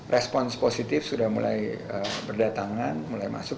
respons positif sudah mulai berdatangan mulai masuk